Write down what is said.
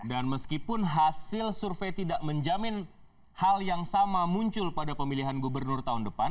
dan meskipun hasil survei tidak menjamin hal yang sama muncul pada pemilihan gubernur tahun depan